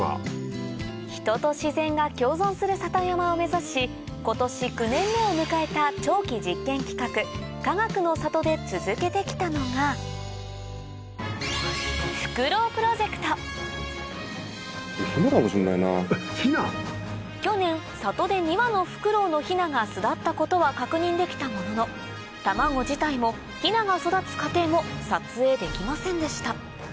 人と自然が共存する里山を目指し今年９年目を迎えた長期実験企画かがくの里で続けてきたのが去年里で２羽のフクロウのヒナが巣立ったことは確認できたものの卵自体もヒナが育つ過程も撮影できませんでした